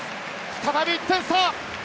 再び１点差！